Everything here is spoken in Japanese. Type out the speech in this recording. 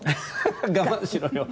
我慢しろよ。